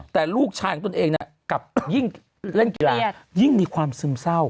แต่ลูกชายของตนเองกลับยิ่งเล่นกีฬายิ่งมีความซึมเศร้า